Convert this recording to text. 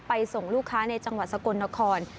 ส่งลูกค้าในจังหวัดสกลนคร